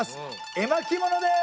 絵巻物です！